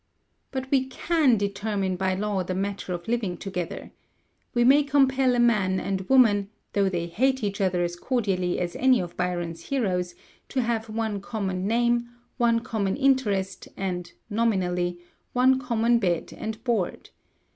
"But we can determine by law the matter of living together. We may compel a man and woman, though they hate each other as cordially as any of Byron's heroes, to have one common name, one common interest, and (nominally) one common bed and board.